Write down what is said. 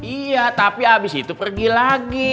iya tapi abis itu pergi lagi